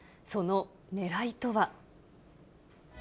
そのねらいとは。